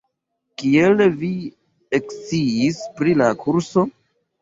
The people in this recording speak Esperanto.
Kiel vi eksciis pri la kurso?